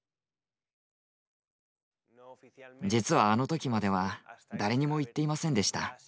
実はあの時までは誰にも言っていませんでした。